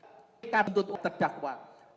dan memposisikan dirinya sebagai depan kehormatan peradaban